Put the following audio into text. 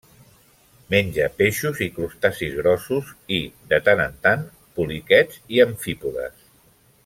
Menja peixos i crustacis grossos, i, de tant en tant, poliquets i amfípodes.